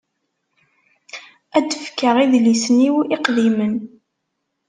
Ad d-fkeɣ idlisen-iw iqdimen.